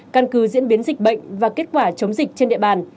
căn cứ diễn biến dịch bệnh và kết quả chống dịch trên địa bàn